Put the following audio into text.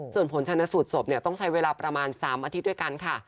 ส่วนผลชนสูตรศพต้องใช้เวลาประมาณ๓อาทิตย์ด้วยกันค่ะ